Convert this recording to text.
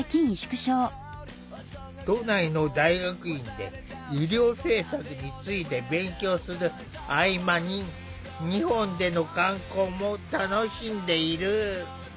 都内の大学院で医療政策について勉強する合間に日本での観光も楽しんでいる。